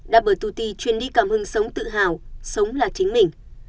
double hai t truyền đi cảm hứng sống tự hào sống là chính mình